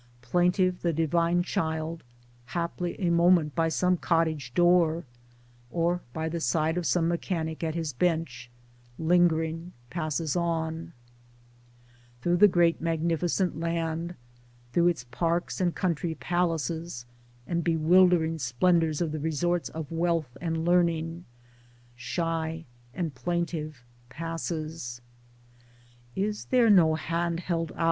Plaintive the Divine Child haply a moment by some cottage door, or by the side of some mechanic at his bench, lingering, passes on ; Through the great magnificent land, through its parks and country palaces and bewildering splendors of the re sorts of wealth and learning, shy and plaintive, passes : Is there no hand held out